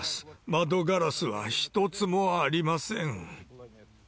窓ガラスは一つもありません。